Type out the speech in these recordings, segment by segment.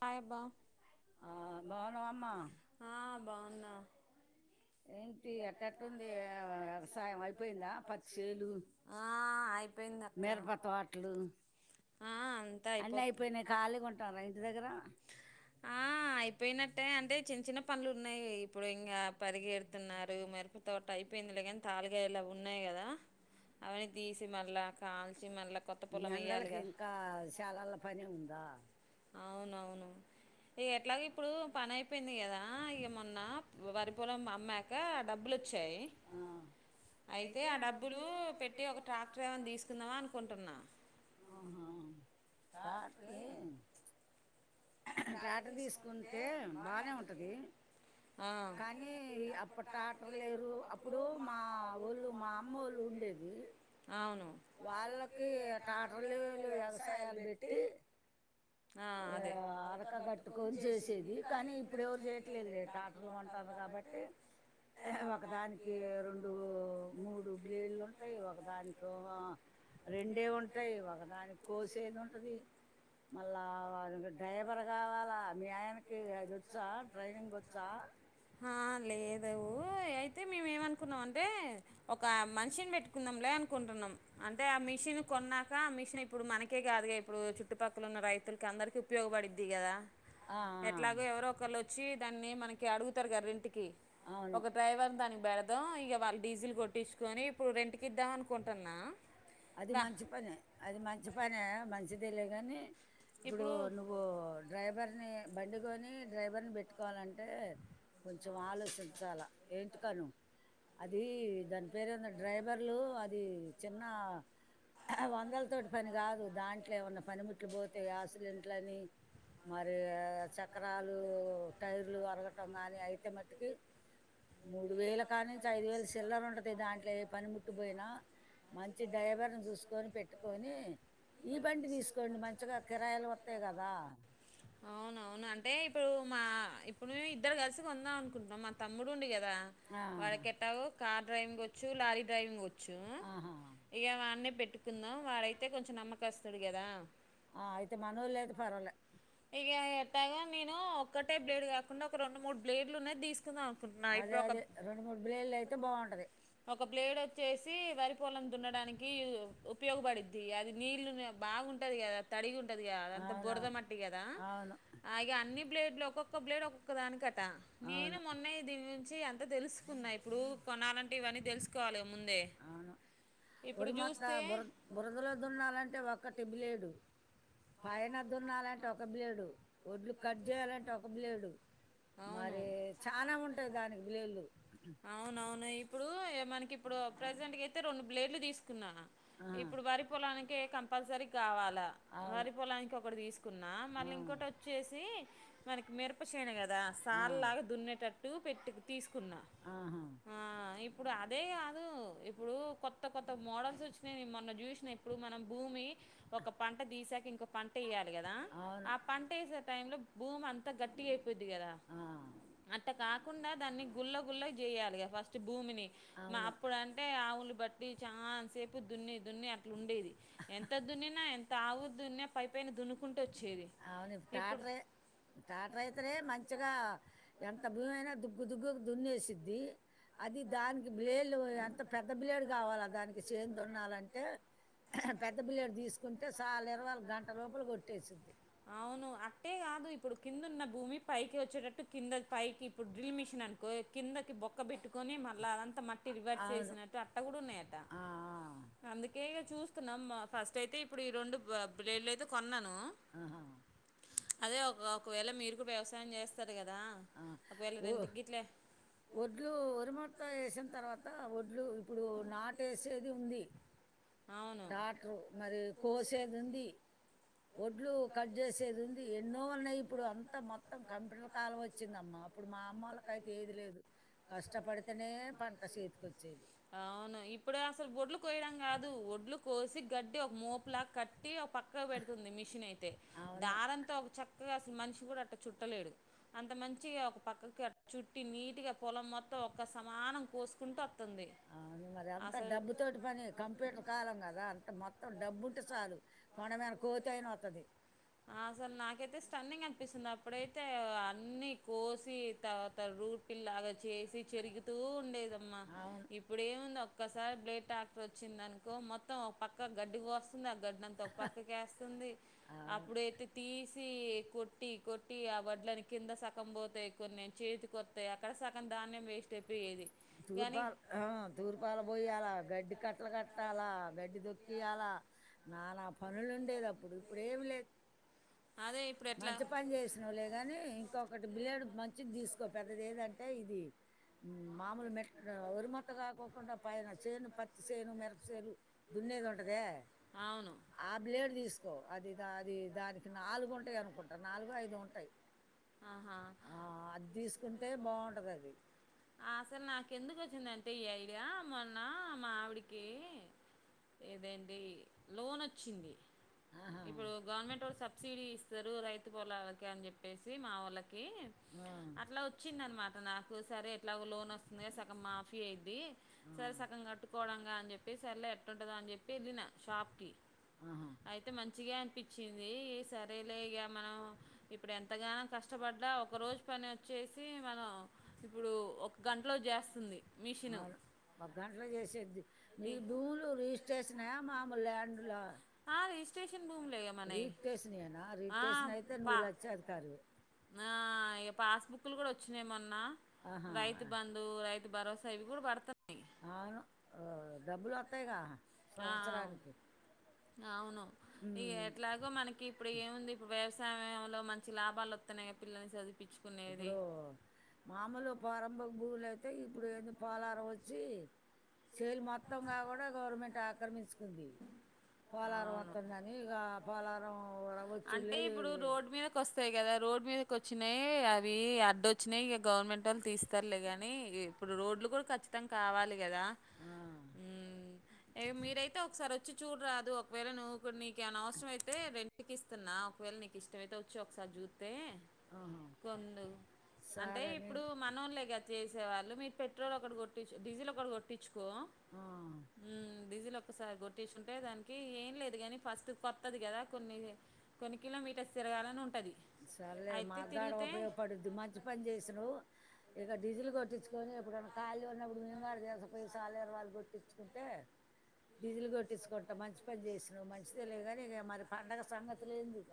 హయబ్బ ఆ బాగున్నా ఏంటి ఎట్టెట్టుంది వ్యవసాయం అయిపోయిందా పచ్చెలు మిరప తోట్లు అన్ని అయిపోయినాయి కాలిగా ఉం టున్నారా ఇంటి దగ్గర అయిపోయినట్టే అంటే చిన్న చిన్న పనులు ఉన్నాయి ఇప్పుడు ఇంకా పరిగి ఎడుతున్నారు మెరుప తోట అయిపోయింది లె గని తలిగాయలు అవి ఉన్నాయి కదా అవి తీసి మల్ల కాల్చి మల్ల ఈ ఎండలకి ఇంకా చాలాల పని ఉందా అవునవును ఇగ ఎట్లాగ ఇప్పుడు పని అయిపోయింది కదా ఇగ మొన్న వరిపొలం అమ్మాక డబ్బులోచ్చాయి అయితే ఆ డబ్బులు పెట్టి ఒక ట్రాక్టర్ ఏమైనా తీసుకుందామా అనుకుంటున్నా ఆహా ట్రాక్టరే ట్రాక్టర్ తీసుకుంటే బానే ఉంటది అని అప్పుడు టాక్టర్లేరు అప్పుడు మా వోళ్ళు మా అమ్మోళ్ళు ఉండేది వాళ్ళకి ట్రాక్టర్లు లేవు ఏం లేవు వ్యవసాయాలు పెట్టి ఆ అదే క్క కట్టుకొని చేసేది కానీ ఇప్పుడు ఎవరు చేయట్లేదు లే టాటర్లు కొంటాళ్ళు కాబట్టి ఒకదానికి రెండు మూడు బ్లేడ్లు ఉంటాయి ఒకదానికేమో రెండే ఉంటాయి ఒకదానికి కోసే ఉంటది మళ్ళా డ్రైవర్ కావాలా మీ ఆయనకి అది వచ్చా డ్రైవింగ్ వచ్చా ఆ లేదు అయితే మేము ఏమనుకున్నాం అంటే ఒక మనిషిని పెట్టుకుందాంలే అనుకుంటున్నాం అంటే ఆ మిషిన్ కొ కొన్నాక మిషన్ ఇప్పుడు మనకే కాదుగా ఇప్పుడు చుట్టుపక్కల ఉన్న రైతులకి అందరికీ ఉపయోగపడిద్ది కదా ఆ చ్చి దాన్ని మనకి అడుగుతరు గద రెంటికి ఒక డ్రైవర్ దానికి బెడదాం ఇక వాళ్ళు డీజిల్ కొ ట్టించుకొని ఇప్పుడు రెంట్కి ఇద్దాం అనుకుంటున్నా అది మంచి పనే అది మంచి పనే మంచిదెలే కానీ ఇప్పుడు నువ్వు డ్రైవర్ ని బండికోని డ్రైవర్ని పెట్టుకోవాలంటే కొంచెం ఆలోచించాల ఏంటి కను అది దాని పేరున్న డ్రైవర్లు అది చిన్న వందలతోటి పని కాదు దాంట్లో ఏమన్న పనిముట్లు పోతే యాక్సిడెంట్లని మరి చక్రాలు టైర్లు అరగటం గాని అయితే మట్టుకి మూడు వేలు కానుంచి ఐదు వేల చిల్లర ఉంటది దాంట్లో ఏ పని ముట్టు పోయినా మంచి డ్రైవర్ను చూసుకొని పెట్టుకొని ఈ బండి తీసుకోండి మంచిగా కిరాయిలు వత్తయి కదా అవును అవును అంటే ఇప్పుడు మా ఇప్పుడు ఇద్దరు కలిసి కొందాం అనుకుంటున్నాం మా తమ్ముడు ఉండు గదా ఆ ఎట్లాగో కార్ డ్రైవింగ్ వచ్చు లారీ డ్రైవింగ్ వచ్చు ఇగ వాన్నే పె ట్టుకుందాం వాడైతే కొంచెం నమ్మకస్తుడు కదా ఆ అయితే మనోళ్ళైతే పర్వలే గ నేను ఒకటే బ్లేడ్ కాకుండా ఒక రెండు మూడు బ్లేడ్లు ఉన్నది తీసుకు కుందాం అనుకుంటున్న ఇప్పుడు ఒక బ్లేడ్లయితే బాగుంటది బ్లేడ్ వచ్చేసి వరి పొలం దున్నడానికి ఉపయోగపడిద్ది అది నీళ్లు బాగుంటే టది తడిగ ఉంట టదిగా అది అంత బురదమట్టి కదా ఆ ఇగ అన్ని బ్లేడ్లు ఒక్కొక్క బ్లేడ్ ఒక్కొక్క దానికి నేను మొన్నే దీని గురించి అంత తెలుసుకున్న ఇప్పుడు కొనాలంటే ఇవన్నీ తెలుసుకోవాలిగా అవును వరి మత్త బుర బురదలో దున్నాలంటే ఒక్కటి బ్లేడు పైన దున్నాలంటే ఒక బ్లేడు ఒడ్లు కట్ చేయాలంటే ఒక బ్లేడు మరి చానా ఉంటాయి దానికి బ్లేడ్లు ఇప్పుడు మనకి ఇప్పుడు ప్రెజెంట్ గయితే రెండు బ్లేడ్లు తీసుకు న్న ఇప్పుడు వరి పొలానికి కంపల్సరీ కావాలి వరి పొలానికి ఒకటి తీసుకున్నా మళ్ళీ ఇంకోటి వచ్చేసి మనకి మిరప చేను కద కదా సార్లాగా దున్నేటట్టు పెట్టు తీసుకున్నా ఇప్పుడు అదే కాదు ఇప్పుడు కొత్త కొత్త మోడల్స్ వచ్చినయి నేను మొన్న చూసిన ఇప్పుడు మనం భూమి ఒక పంట తీసాక ఇంకో పంట ఎయ్యాలి కదా ఆ పంటేసే టైమ్ లో భూమి అంతా గట్టిగ అయి పోద్ది కదా అట్ట కాకుండా దాన్ని గుల్ల గుల్ల చేయాలి ఫస్ట్ భూమిని మా అప్పుడు అంటే ఆవులు బట్ చా సేపు దున్ని దున్ని అట్లా ఉండేది ఎంత దున్నినా ఎంత ఆవు దున్ని పైపైన దు దున్నుకుంట వ అవును టాట్రె టాట్రె అరే మంచిగా ఎంత భూమి అయినా దుగ్గు దుగ్గు దున్నేసిద్ది అది దానికి బ్లేడ్లు కా ఎంత పెద్ద బ్లేడ్ కావాల దానికి చేన్ దున్నాలంటే పెద్ద బిల్లేడ్ తీసుకుంటే సాల్ ఇరవల్ గంట లోపల కొట్టేసుద్ది. అవును అట్టే కాదు ఇప్పుడు కింద ఉన్న భూమి పైకి వచ్చేటట్టు కింద పైకి ఇప్పుడు డ్రిల్ మిషిన్ అనుకో కిందకి బొక్కపెట్టు ని మళ్ళీ అదంతా మట్టి రివర్స్ చేసినట్టు అట్ట కూడా ఉన్నాయట అందుకే క చూస్తున్నాం ఫస్ట్ అయితే ఇప్పుడు ఈ రెండు బ్లేడ్లు అయితే కొన్నాను. అదే ఒక ఒకవేళ మీరుకు వ్యవసాయం చేస్తా ఆ ఒ ఒడ్లు ఒరిమొత్తం వేసిన తర్వాత ఒడ్ ఇట్లు ఇప్పుడు నాట్ ఏసేది ఉంది టాట్రు మరి కోసేది ఉంది ఒడ్లు కట్ చేసేది ఉంది ఎన్నో ఉన్నాయి ఇప్పుడు అంతా మొత్తం కంప్యూటర్ కాలం వచ్చి అప్పుడు మా అమ్మోల్కైతే ఏది లేదు కష్టపడితేనే పంట చేతికొచ్ అవును ఇప్పుడు అసలు బొడ్లు కొయ్యడం కాదు ఒడ్లు కోసి గడ్డి ఒక మోపులా కట్టి పక్క పెడుతుంది మిషన్ అయితే దారంతో ఒక చక్కగా మనిషి కూడా అట్ట చుట్టలేరు అంత మంచిగా ఒక పక్కకి అ చుట్టి నీట్ గా పొలం మొత్తం ఒక్క సమానం కోసుకుంటూ వత్తంది మరి అంత డబ్బుతోటి పని కంప్యూటర్ కాలం కదా అంత మొత్తం డబ్బు ఉంటే సాలు కొండమీ కోతైన వత్తది. అసలు నాకైతే స్టండింగ్ అనిపిస్తుంది అప్పుడైతే అన్ని కోసి త తరు రూపిల్లాగా చేసి చెరిగుతూ ఉండేది అమ్మ ఇప్పుడు ఏముంది ఒక్కసారి బ్లేడ్ టాక్టర్ వచ్చిందనుకో మొత్తం పక్క గడ్డిక కోస్తుంది ఆ గడ్డినంత ఒక పక్కకి వేస్తంది బెడ్ తీసి కొట్టి కొట్టి ఆ బడ్లని కింద సగం పోతాయి కొన్ని చేతి కొత్తాయి అక్కడ సగం ధాన్యం వేస్ట్ ఐపేయేది. తూర్పాల్ ఆ తూర్పాల పోయ్యాలా గడ్డి కట్టలు కట్టాలా గడ్డి దొకి దొక్కియాల నా నా పనులు ఉండేది అప్పుడు ఇప్పుడేమి లేదు అదే మంచి పని చేసినవ్ళ్లే కానీ ఇంకొకటి బ్లేడ్ మంచిది తీసుకో పెద్దది ఏదంటే ఇది మామూలు మెట్ ఒరిమొత్తం కాకోకుండా పైన చేను పత్తి చేను మిరపు చేేలు దున్నేది ఉంటదే ఆ బ్లేడ్ తీసుకో అది అది దానికి నాలుగు ఉంటాయ్ అనుకుంటా నాలుగు ఐదో ఉంటాయ్ ఆ అది తీసుకుంటే బాగుంటది అది అసలు నాక ఎందుకు వచ్చిందంటే ఈ ఐడియా మొన్న మా ఆవిడికి ఏదేంటి లోన్ వచ్చింది. ఇప్పుడు గవర్నమెంటోళ్ సబ్సిడీ ఇస్తారు రైతు పొలాలకి అని చెప్పేసి మా వొళ్ళకి లకి అట్లా వచ్చిందినమాట నాకు సరే ఎట్లాగో లోన్ వస్తుందో సగం మాఫీ అ కి సరే సగం కట్టుకోవడంగా అని చెప్పి సర్లే ఎట్టుంటుందో అని చెప్పి వెళ్ళిన షాప్కి అయితే మంచిగా అనిపిచ్చింది సరేలే ఇక మనం ఇప్పుడు ఎం ఎంతగానో కష్టపడ్డా ఒక రోజు పని వచ్చేసి మనం ఇప్పుడు ఒక గంటలో చేస్తుంది మిషిను ఒక గంటలో చేసేద్ది మీ భూములు రిజిస్ట్రేషనా మాము ల్యాండ్ లా రీటేష్నేయినా రిట్టేషన్ అయితే నువ్వు లక్ష అధికారివి ఆ ఇక పాస్బుక్ బుక్ లు కూడా వచ్చినాయ్ మొన్నా రైతు బంధు రైతు భరోసా ఇవి కూడా పడతు డబ్బులు వత్తాయ్గా సంవత్సరానికి అవును ఇ ఎట్లాగ మనకి ఇప్పుడు ఏముంది ఇప్పుడు సమయంలో మంచి లాభాలు వస్తున్నాయి పిల్లల్ని చదివి ఇప్పుడో మాములు పారంభ పూలుయితే ఇప్పుడు ఏ పొలారు వచ్చి సేల్ మొత్తం కా కుండ గవర్నమెంట్ ఆక్రమించుకుంది పోలారం అంతా నను ఇక పోలారం అంటే ఇప్పుడు రోడ్డు మీదకి వస్తాయి కదా రోడ్డు మీద వచ్చినాయి అవి అడ్డ వచ్చినాయి ఇక గవర్నమెంట్ వాళ్ళు తీస్తారులే గానీ ఇప్పుడు రోడ్లు కూడా కతం కావాలి కదా మీరైతే ఒకసారి వచ్చి చూడరాదు ఒకవేళ నువ్వు ఇ నీకు ఏం ఐనా అవసరం అయితే రెం చికిస్తున్నా ఒకవేళ నీకు ఇష్టమయితే వచ్చి ఒకసారి జూత్ కొందు అంటే ఇప్పుడు మనోలే గదా చేసే వాళ్ళు మీరు పెట్రోల్ అక్కడ కొట్టించుకో డీజిల్ అక్కడ కొట్టించుకో ఆ డీసెల్ అక్కడ ఒసారి కొట్టిచుకుంటే దానికి ఏం లేదు గాని ఫస్ట్ కొత్తది కదా కొన్ని కొన్ని కిలో మీటర్సు తిరగాలని ఉంటు సరలే మా గాడ ఉపయోగపడుద్ది మంచి పని చేసినవు. ఇక డీజిల్ కొట్టించుకొనిప్పున్న కాలీ దొరికిన్నప్పుడు మేము కూడాడదసై చాలేర్ వాళ్ళు కొట్టించుకుంటే డీజిల్ కొట్టించుకుంటా మంచి పని చేసిన్వు మంచిదే లేదు కానీ ఇక మరి పండుగ సంగతి లేంది ఇక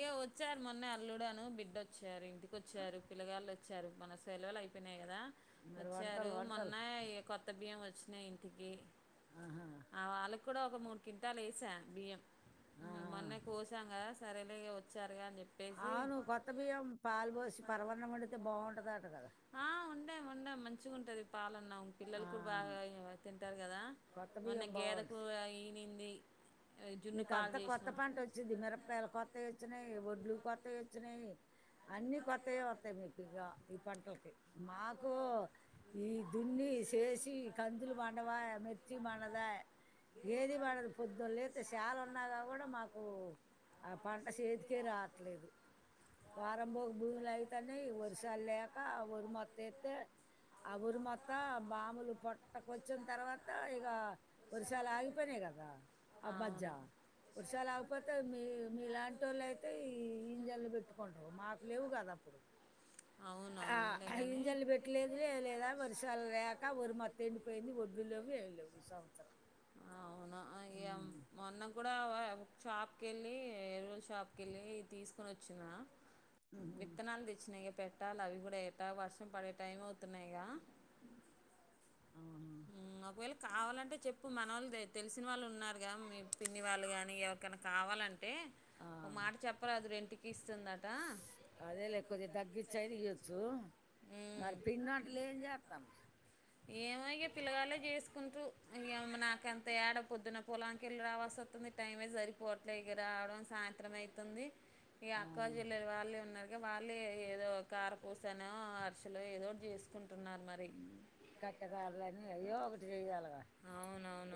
ఇగ వచ్చారు మొన్న అల్లుడను బిడ్డ వచ్చారు ఇంటికి వచ్చారు పిల్లగాళ్ళు వచ్చారు మన సెలవలు అయిపోయినాయి కదా వచ్చారు మొన్న కొత్త బియ్యం వచ్చినాయి ఇంటికి ఆ వాళ్ళకి కూడా ఒక మూడు కింటాలు వేసా బియ్యం మొన్న కోశాం కదా సరేలే వచ్చారుగా అని చెప్ప అవును కొత్త బియ్యం పాలు పోసి పరవన్న వండితే బాగుంటద ఆ వండాము వండాము మంచిగా ఉంటది పాలన పిల్లలు కూడా బాగా తింటారు కదా మొన్న గేదకు ఈనింది మీకు అంత కొత్త పంట వచ్చిది మిరపకాయల కొత్తవి వచ్చినాయి ఒడ్లు కొత్తవి వచ్చినాయి. అన్ని కొత్తవి వస్తాయి మీకు ఇగా ఈ పంటలకి మాకు ఈ దుని దున్నీ చేసి కందులు మాండవాయే మిర్చి మనదయే ఏది పండదు పొద్దులే అ శాల ఉన్నాగా కూడా మాకు ఆ పంట చేతికే రావట్లేదు. ప్రారంభపు భూమిలు అయితానే వరుసలు లేక వరి మత్త ఎత్తే ఆ వరి మొత్తం మాాములు పొట్టకొచ్చిన తర్వాత ఇక వర్షాలు ఆగిపోనాయి కద అ మధ్య వర్షాలు లేకపోతే మీ మీలాంటి వాళ్ళు అయితే ఈ ఇంజన్లు పెట్టుకుంటారు మాకు లేవు కదా ఇప్పుడు ఆ ఇంజిన్లు పెట్టలేదు లే లేదా వర్షాలు లేక వరి మత్త ఎండిపోయింది ఓడ్లు లేవు. ఏం ఈ సంవత్సరం మొన్న కూడా షాప్ కి వెళ్ళి ఎరువుల్ షాప్ క వెళ్ళి తీసుకొని వచ్చిన పెట్టాలి అవి కూడా ఎటా వర్షం పడే టైం అవుతున్నాయిగా ఉ ఒకవేళ కావాలంటే చెప్పు మన వాళ్ళు తెలిసిన వాళ్ళు ఉన్నారు కదా మీ పిన్ని వాళ్ళు కాగానీ ఎవరికైనా కావాల లాంటే ఓ మాట చెప్పరు అది రెంటికి ఇస్తుందట అదే లే కొద్ది తగ్గచ్చయని ఇయ్యొచ్చు మరి పిండిన్నట్లేం చేస్తాం. ఏమై పిల్లగాలే చేసుకుంటూ నాకంత ఏడ పొద్దున పొలాంక వెళ్ళు రావాల్స ఇంది టైమే సరిపోట్ల ఎ రావడం సాయంత్రం అవుతుంది. ఈ అక్క జిల్లలు వాళ్ళు ఉన్నారు. ఇక వాళ్ళు ఏదో కార పూసను అరుసలు ఏదో చేసుకుంటున్నారు మరి కట్టగాలాలనియో ఒకటి చేయాలగా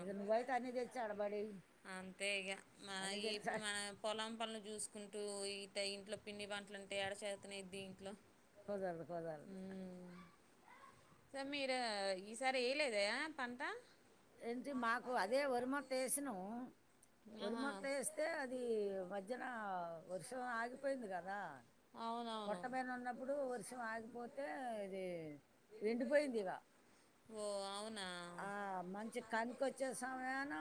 ఇగ నువ్వయితే అన్ని తెచ్చి ఆడ పడేయ్ అంతే ఇగ మన ఇప్పుడు మన పొలం పనులు చూసుకుంటూ ఇ ఇంట్లో పిండి వంటలుంటే యాడ చేతనైద్ది ఇంట్లో కుదరదు కుదరదు సార్ మీరు ఈసారి ఏయలేదయా పంట ఏంటి మాకు అదే వరి మంట ఏసినావు వరిమత్త వేస్తే అది మధ్యన వర్షం ఆగిపోయింది కదా పొట్టమైన ఉన్నప్పుడు వర్షం ఆగిపోతే ఇది ఏండిపోయింది ఇగ ఆ మ కంకి వచ్చే సమయాన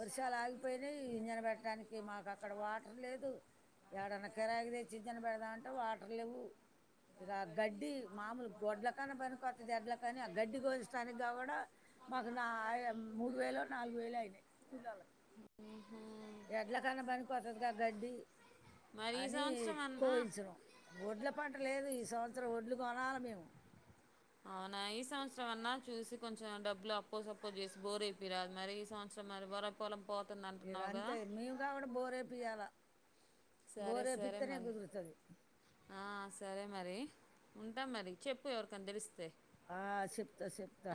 వర్షాలు ఆగిపోయినాయి ఇంజన్ పెట్టడానికి మాకు అక్కడ వాటర్ లేదు యాడన్నా కిరాకి తెచ్చి దన్న పెడదామంటే వాటర్ లేవు ఇక గడ్డి మామూలు గొడ్ల కన్న పని కొత్తది ఎడ్ల కాని ఆ గడ్డి గోచెటానికి గా కూడా మా నా అ మూడు వేలో నాలుగు వేలో అయినాయి ఏడ్ల కన్నా పనికొస్తది గా గడ్డి అని కోయించడం ఒడ్ల పంట లేదు ఈ సంవత్సరం ఒడ్లు కొనాల మేము అవునా ఈ సంవత్సరం అన్నా చూసి కొంచెం డబ్బులు అప్పో సోప్పో చేసి బోర్ అయిపోయిరా అది మరి ఈ సంవత్సరం మరి వర పోలం పోత ఇక అంతే నీళ్ళు రాకుంటే బోరేపియాల సరే సరే మరి ఆ సరే మరి ఉంటా మరి చెప్పు ఎవరికన్న తెలిస్తే ఆ చెప్త చెప్త